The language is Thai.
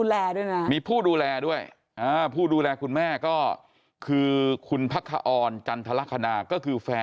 แล้วมีผู้ดูแลด้วยนะ